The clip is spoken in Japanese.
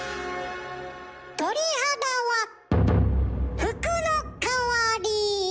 鳥肌は服の代わり。